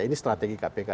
ini strategi kpk